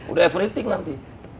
udah everything nanti